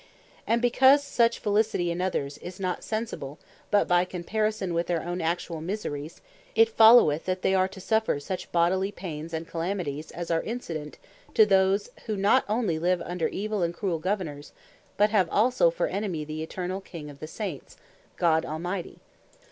And because such felicity in others, is not sensible but by comparison with their own actuall miseries; it followeth that they are to suffer such bodily paines, and calamities, as are incident to those, who not onely live under evill and cruell Governours, but have also for Enemy, the Eternall King of the Saints, God Almighty.